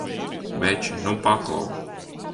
Veči, nu paklau!